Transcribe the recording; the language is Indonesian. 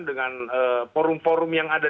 dengan forum forum yang ada